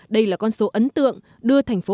đây là con số ấn tượng đưa thành phố